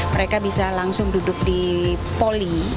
mereka bisa langsung duduk di poli